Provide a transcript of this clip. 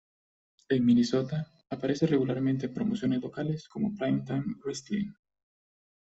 En Minnesota, aparece regularmente en promociones locales como Prime Time Wrestling.